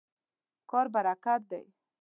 کار برکت دی.